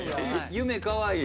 夢かわいい。